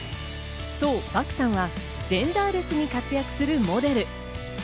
漠さんはジェンダーレスに活躍するモデル。